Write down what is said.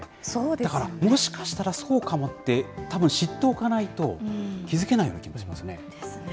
だからもしかしたらそうかも？って、たぶん知っておかないと、気付けないような気がしますね。